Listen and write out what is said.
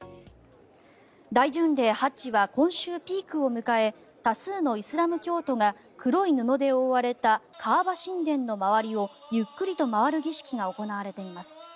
大巡礼、ハッジは今週ピークを迎え多数のイスラム教徒が黒い布で覆われたカアバ神殿の周りをゆっくりと回る儀式が行われています。